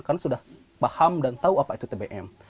karena sudah paham dan tahu apa itu tbm